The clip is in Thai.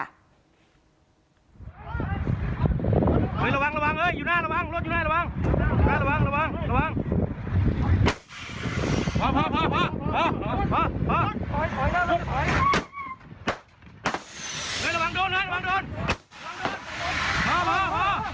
ระวังระวัง